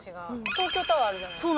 東京タワーあるじゃないですか。